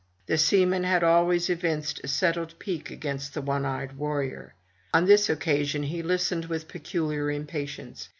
The seaman had always evinced a settled pique against the one eyed warrior. On this occasion he listened with peculiar impatience.